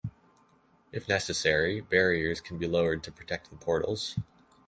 If necessary, barriers can be lowered to protect the portals.